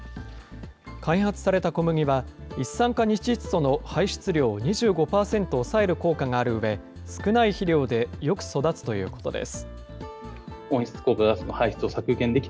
開発された小麦は、一酸化二窒素の排出量を２５％抑える効果があるうえ、少ない肥料でよく育つということです。